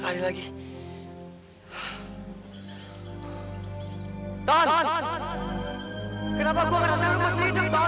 kenapa gua ga bisa rumah sendiri ton